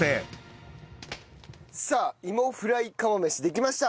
さあいもフライ釜飯できました。